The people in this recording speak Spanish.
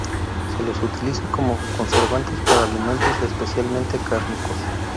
Se los utiliza como conservantes para alimentos, especialmente cárnicos.